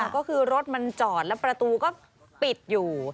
ก็คือรถมันจอดแล้วประตูก็ปิดอยู่